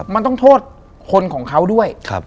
มันต้องโทษคนของเขาด้วย